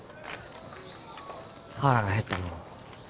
腹が減ったのう。